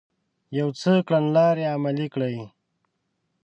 يو څه کړنلارې عملي کړې